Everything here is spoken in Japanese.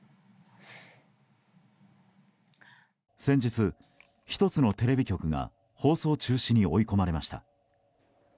先日、１つのテレビ局が放送中止に追い込まれました。